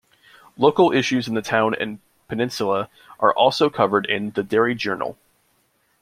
Local issues in the town and peninsula are also covered in the "Derry Journal".